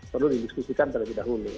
perlu didiskusikan terlebih dahulu